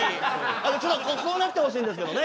あのちょっとこうなってほしいんですけどね。